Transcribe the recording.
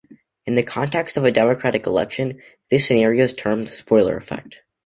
In the context of a democratic election, this scenario is termed the spoiler effect.